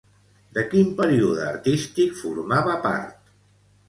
De quin període artístic formava part?